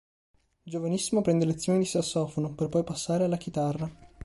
Giovanissimo prende lezioni di sassofono, per poi passare alla chitarra.